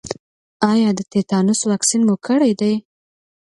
ایا د تیتانوس واکسین مو کړی دی؟